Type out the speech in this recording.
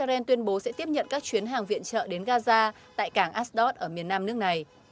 israel tuyên bố sẽ tiếp nhận các chuyến hàng viện trợ đến gaza tại cảng asdod ở miền nam nước này